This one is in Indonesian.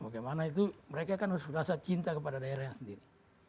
bagaimana itu mereka kan harus merasa cinta kepada daerahnya sendiri